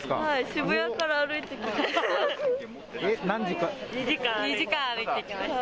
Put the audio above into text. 渋谷から歩いてきました。